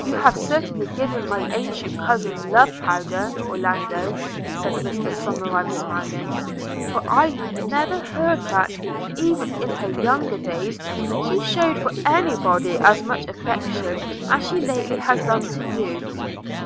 'You have certainly given my ancient cousin love powder, Orlando,' said Mr Somerive smiling; 'for I never heard that, even in her younger days, she shewed for any body as much affection as she lately has done to you.'